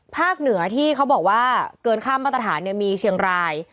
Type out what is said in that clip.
เหนือที่เขาบอกว่าเกินข้ามมาตรฐานมีเชียงราย